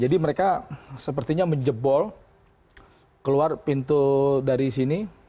jadi mereka sepertinya menjebol keluar pintu dari sini